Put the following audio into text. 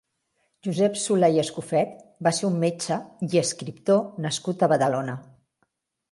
Josep Solà i Escofet va ser un metge i escriptor nascut a Badalona.